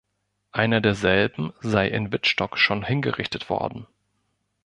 Einer derselben sei in Wittstock schon hingerichtet worden.